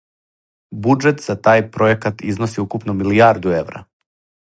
Буџет за тај пројекат износи укупно милијарду евра.